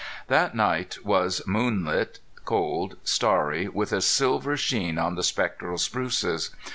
That night was moonlight, cold, starry, with a silver sheen on the spectral spruces.